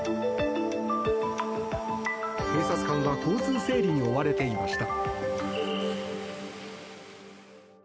警察官は交通整理に追われていました。